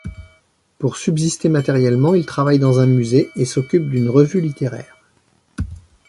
Pour subsister matériellement, il travaille dans un musée, et s'occupe d'une revue littéraire.